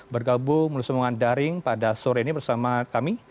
bergabung melusungan daring pada sore ini bersama kami